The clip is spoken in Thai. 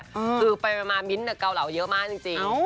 คือไปมามิ้นท์เกาเหลาเยอะมากจริง